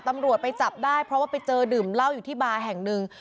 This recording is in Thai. ตำรวจไปจับได้เพราะว่าไปเจอดื่มเหล้าอยู่ที่บาร์แห่งหนึ่ง